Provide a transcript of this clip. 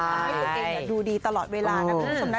ทำให้ผู้หญิงดูดีตลอดเวลานะ